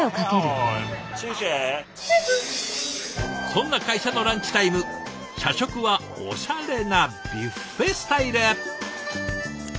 そんな会社のランチタイム社食はおしゃれなビュッフェスタイル。